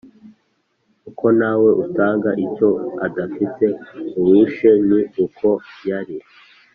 uko ntawe utanga icyo adafite. uwishe ni uko yari